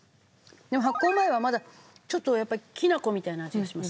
でも発酵前はまだちょっとやっぱりきな粉みたいな味がします。